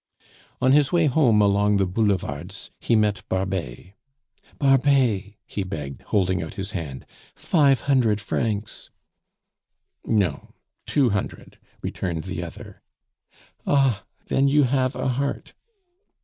On his way home along the Boulevards, he met Barbet. "Barbet!" he begged, holding out his hand. "Five hundred francs!" "No. Two hundred," returned the other. "Ah! then you have a heart."